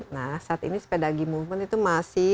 nah saat ini sepeda g movement itu masih